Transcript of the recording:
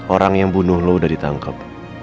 orang yang bunuh lo udah ditangkap